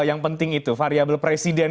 yang penting itu variabel presiden